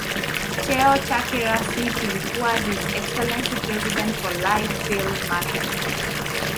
Cheo chake rasmi kilikuwa His Excellency President for Life Field Marshal